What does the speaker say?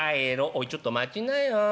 「おいちょっと待ちなよ。